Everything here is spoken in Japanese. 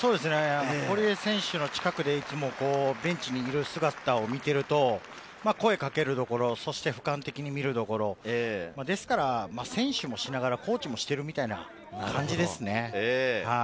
堀江選手の近くでいつもベンチにいる姿を見ていると、声をかけるところ、俯瞰的に見るところ、選手もしながら、コーチもしているみたいな感じですね。